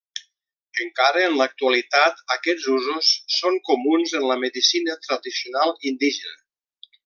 Encara en l'actualitat aquests usos són comuns en la medicina tradicional indígena.